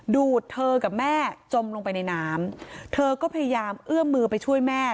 ดูดเธอกับแม่จมลงไปในน้ำเธอก็พยายามเอื้อมมือไปช่วยแม่